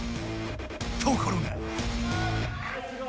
ところが。